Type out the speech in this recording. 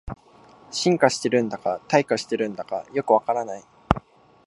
進化してるんだか退化してるんだかよくわからない